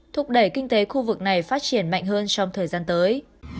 thúc đẩy kinh tế khu vực này phát triển mạnh hơn trong thời gian tới